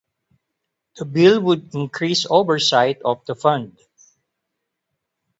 The bill would increase oversight of the fund.